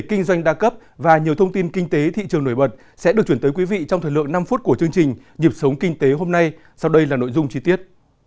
kinh doanh đa cấp và nhiều thông tin kinh tế thị trường nổi bật sẽ được chuyển tới quý vị trong thời lượng năm phút của chương trình nhịp sống kinh tế hôm nay sau đây là nội dung chi tiết